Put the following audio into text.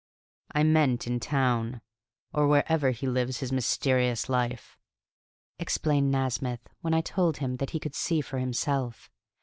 "I meant in town, or wherever he lives his mysterious life," explained Nasmyth, when I told him that he could see for himself.